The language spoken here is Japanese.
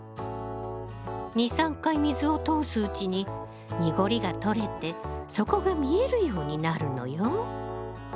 ２３回水を通すうちに濁りが取れて底が見えるようになるのよ。